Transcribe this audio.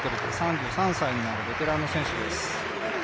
２００ｍ３３歳になるベテランの選手です。